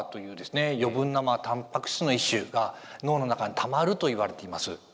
余分なたんぱく質の一種が脳の中にたまるといわれています。